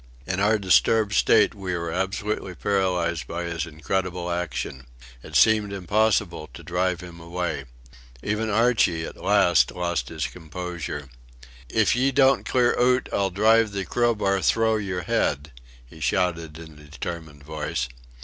In our disturbed state we were absolutely paralysed by his incredible action. It seemed impossible to drive him away. Even Archie at last lost his composure. "If ye don't clear oot I'll drive the crowbar thro' your head," he shouted in a determined voice.